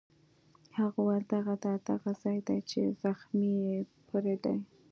هغه وویل: دغه ده، دغه ځای دی چې زخم یې پرې دی.